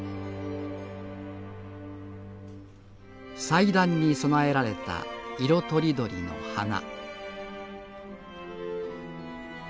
祭壇に供えられた色とりどりの花